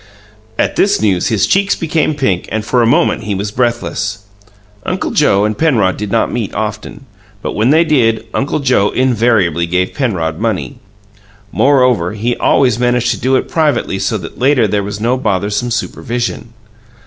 At this news his cheeks became pink, and for a moment he was breathless. Uncle Joe and Penrod did not meet often, but when they did, Uncle Joe invariably gave Penrod money. Moreover, he always managed to do it privately so that later there was no bothersome supervision.